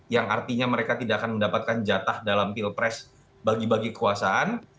yang artinya mereka tidak akan mendapatkan jatah dalam pilpres bagi bagi kekuasaan